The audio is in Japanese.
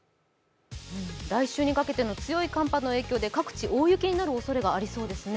来週にかけての強い寒波の影響で各地大雪になるおそれがありそうですね。